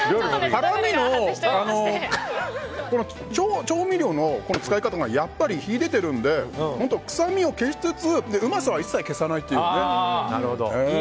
辛みも、調味料の使い方がやっぱり秀でてるので臭みを消しつつうまさは一切消さないっていうね。